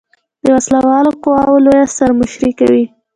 د وسله والو قواؤ لویه سر مشري کوي.